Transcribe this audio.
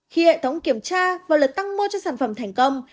khi hệ thống kiểm tra và lượt tăng mua cho sản phẩm thành công